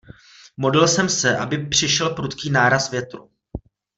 Modlil jsem se, aby přišel prudký náraz větru.